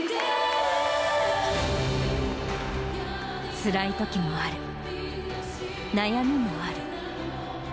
つらいときもある、悩みもある。